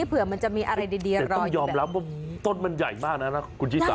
เผื่อมันจะมีอะไรดีแต่ต้องยอมรับว่าต้นมันใหญ่มากนะคุณชิสา